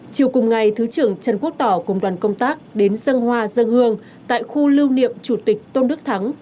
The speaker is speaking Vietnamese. chiều cùng ngày thứ trưởng trần quốc tỏ cùng đoàn công tác đến dân hoa dân hương tại khu lưu niệm chủ tịch tôn đức thắng